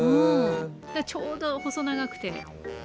ちょうど細長くてね。